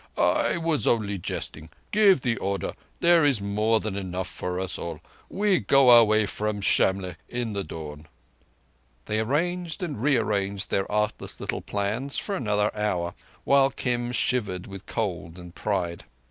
I was only jesting. Give the order. There is more than enough for us all. We go our way from Shamlegh in the dawn." They arranged and re arranged their artless little plans for another hour, while Kim shivered with cold and pride.